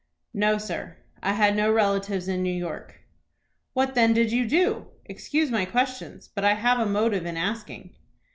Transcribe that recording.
"No, sir; I had no relatives in New York." "What then did you do? Excuse my questions, but I have a motive in asking."